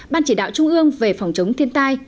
ban chỉ đạo trung ương về phòng chống thiên tai